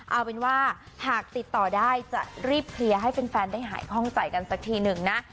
เอาเป็นว่าหากติดต่อได้จะรีบเคลียร์ให้แฟนได้หายคล่องใจกันสักทีหนึ่งนะ